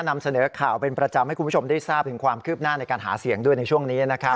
นำเสนอข่าวเป็นประจำให้คุณผู้ชมได้ทราบถึงความคืบหน้าในการหาเสียงด้วยในช่วงนี้นะครับ